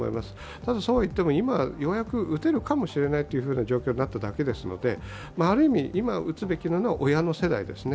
ただ、そうはいっても今ようやく打てるかもしれないという状況になっただけですのである意味、今打つべきなのは親の世代ですね。